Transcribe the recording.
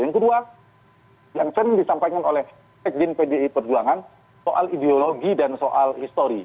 yang kedua yang sering disampaikan oleh sekjen pdi perjuangan soal ideologi dan soal histori